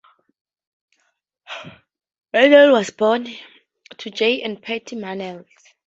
Mannelly was born to Jay and Patty Mannelly.